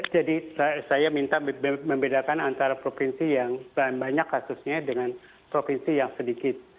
jadi saya minta membedakan antara provinsi yang banyak kasusnya dengan provinsi yang sedikit